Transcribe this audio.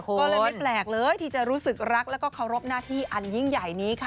ก็เลยไม่แปลกเลยที่จะรู้สึกรักแล้วก็เคารพหน้าที่อันยิ่งใหญ่นี้ค่ะ